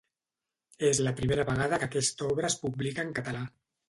És la primera vegada que aquesta obra es publica en català.